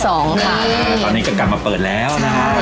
ตอนนี้ก็กลับมาเปิดแล้วนะฮะ